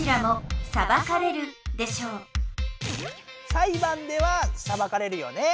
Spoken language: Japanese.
裁判ではさばかれるよね。